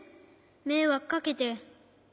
めいわくかけて。